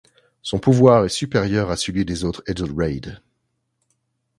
Son pouvoir est supérieur à celui des autres Edil Raid.